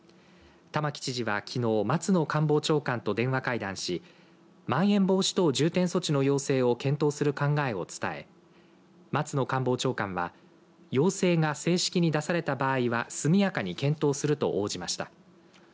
玉城知事は、きのう松野官房長官と電話会談しまん延防止等重点措置の要請を検討する考えを伝え松野官房長官は要請が正式に出された場合は速やかに検討すると応じました。